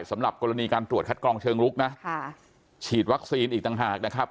สำหรับกรณีการตรวจคัดกรองเชิงลุกนะค่ะฉีดวัคซีนอีกต่างหากนะครับ